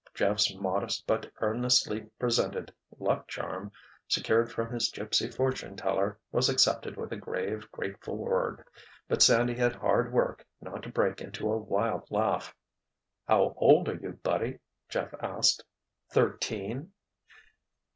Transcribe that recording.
Jeff's modest but earnestly presented "luck charm" secured from his gypsy fortune teller was accepted with a grave, grateful word—but Sandy had hard work not to break into a wild laugh. "How old are you, buddy," Jeff asked. "Thirteen!"